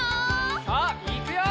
さあいくよ！